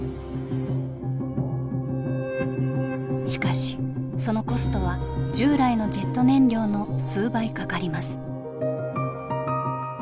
しかしそのコストは従来のジェット燃料の数倍かかります。